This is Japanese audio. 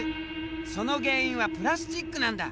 その原因はプラスチックなんだ。